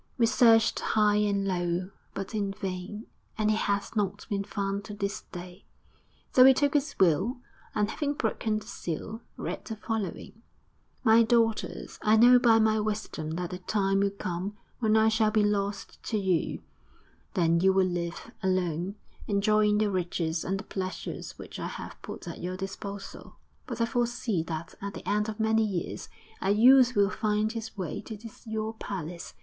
'We searched high and low, but in vain, and he has not been found to this day. So we took his will, and having broken the seal, read the following, "My daughters, I know by my wisdom that the time will come when I shall be lost to you; then you will live alone enjoying the riches and the pleasures which I have put at your disposal; but I foresee that at the end of many years a youth will find his way to this your palace.